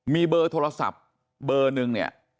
มีเบอร์โทรศัพท์เบอร์หนึ่งเนี่ย